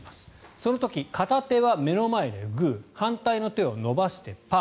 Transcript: その時、片手は目の前でグー反対の手を伸ばしてパー。